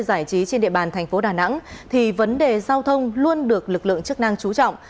giải trí trên địa bàn thành phố đà nẵng thì vấn đề giao thông luôn được lực lượng chức năng chú trọng